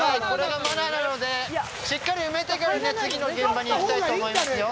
これがマナーなのでしっかり埋めてから次の現場に行きたいと思います。